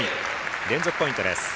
連続ポイントです。